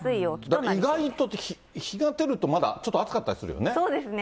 意外と日が照るとまだ、ちょっと暑かったりするよね。